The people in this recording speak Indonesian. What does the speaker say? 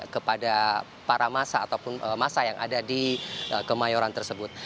kepada para masa ataupun masa yang ada di kemayoran tersebut